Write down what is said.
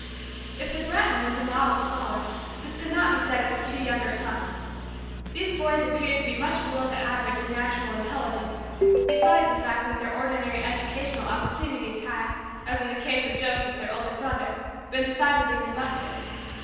If the Breton was a model scholar, this could not be said of his two younger sons. These boys appeared to be much below the average in natural intelligence, besides the fact that their ordinary educational opportunities had, as in the case of Joseph, their older brother, been decidedly neglected.